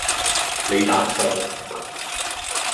你打錯